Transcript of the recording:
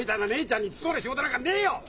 ちゃんに勤まる仕事なんかねえよ！